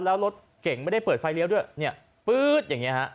แล้วรถเก่งไม่ได้เปิดไฟเลี้ยวด้วยเนี่ยปื๊ดอย่างนี้ฮะ